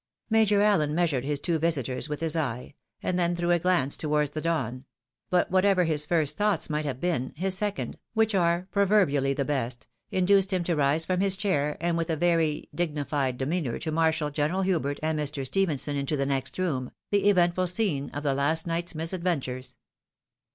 " Major Allen measiired his two visitors with his eye, and then threw a glance towards the Don ; but whatever his first thoughts might have been, his second, which are proverbially the best, induced him to rise from his chair and with a very digni fied demeanour to marshal General Hubert and Mr. Stephenson into the next room, the eventful scene of the last night's misad ventures.